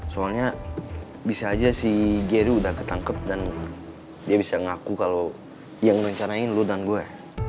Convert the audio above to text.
soalnya bisa aja si gery udah ketangkep dan dia bisa ngaku kalau yang rencanain ludan gue